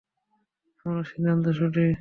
তোমার সিদ্ধান্ত সঠিক।